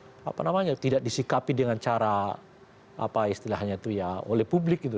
bagaimana orang menerima musibah dan tidak disikapi dengan cara apa istilahnya itu ya oleh publik gitu